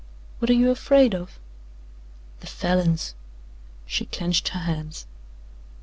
What are you afraid of?" "The Falins." She clenched her hands.